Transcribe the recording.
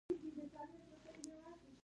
مځکه باید زرغونه وساتل شي.